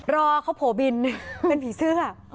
รอเขาโผล่บินเป็นผีเสื้อ